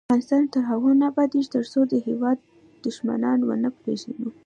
افغانستان تر هغو نه ابادیږي، ترڅو د هیواد دښمنان ونه پیژنو.